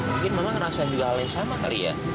mungkin mama ngerasa juga hal yang sama kali ya